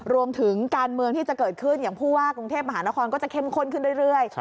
รวมถึงการเมืองที่จะเกิดขึ้นอย่างผู้ว่ากรุงเทพมหานครก็จะเข้มข้นขึ้นเรื่อย